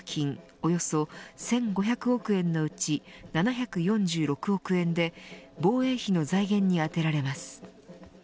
およそ１５００億円のうち７４６億円で防衛費の財源に充てられます。